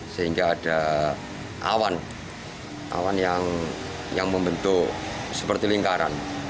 sehingga ada awan awan yang membentuk seperti lingkaran